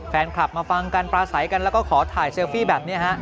แฟนคลับมาฟังกันปลาใสกันแล้วก็ขอถ่ายเซลฟี่แบบนี้ฮะ